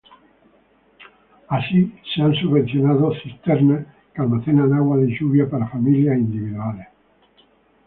Así, se han subvencionado cisternas que almacenan agua de lluvia para familias individuales.